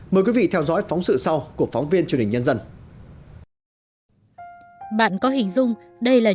mời quý vị theo dõi phóng sự sau của phóng viên truyền hình nhân dân